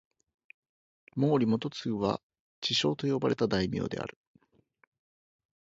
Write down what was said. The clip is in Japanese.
毛利元就は智将と呼ばれた大名である。